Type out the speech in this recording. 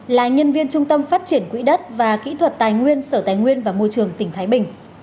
là nhân viên trung tâm phát triển quỹ đất và kỹ thuật tài nguyên sở tài nguyên và môi trường tỉnh thái bình